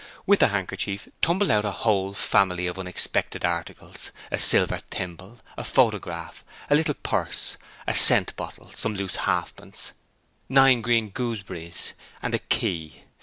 With the handkerchief tumbled out a whole family of unexpected articles: a silver thimble; a photograph; a little purse; a scent bottle; some loose halfpence; nine green gooseberries; a key.